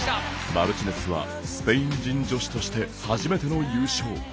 マルチネスは、スペイン人女子として初めての優勝。